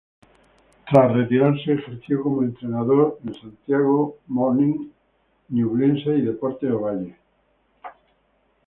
Tras retirarse ejerció como entrenador en Santiago Morning, Ñublense y Deportes Ovalle.